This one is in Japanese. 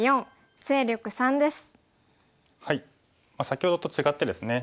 先ほどと違ってですね